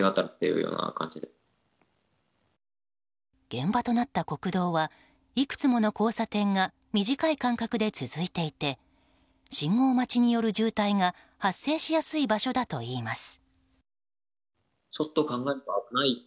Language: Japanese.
現場となった国道はいくつもの交差点が短い間隔で続いていて信号待ちによる渋滞が発生しやすい場所だといいます。